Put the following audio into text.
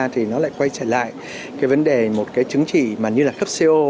thì nó lại quay trở lại cái vấn đề một cái chứng chỉ mà như là cấp co